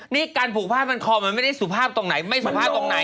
นี่การผูกผ้าพันคอมันไม่ได้สุภาพตรงไหนไม่สุภาพตรงไหน